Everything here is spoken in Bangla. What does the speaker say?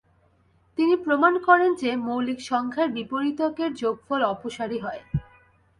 তিনি প্রমাণ করেন যে, মৌলিক সংখ্যার বিপরীতকের যোগফল অপসারী হয়।